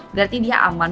berarti dia aman